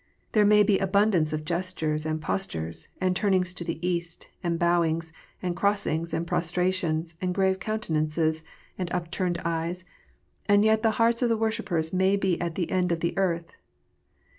There may be abundance of gestures, and postures, and turnings to the East, and bowings, and crossings, and prostrations, and grave countenances, and upturned eyes, and yet the hearts of the worshippers may be at the end of the earth.